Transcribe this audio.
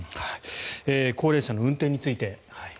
高齢者の運転について。